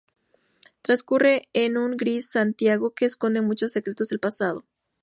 Transcurre en un gris Santiago que esconde muchos secretos del pasado.